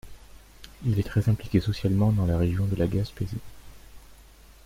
Il est très impliqué socialement dans la région de la Gaspésie.